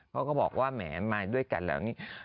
เขาก็บอกว่าแหมมาด้วยกันแล้วนี่